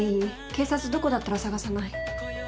警察どこだったら探さない？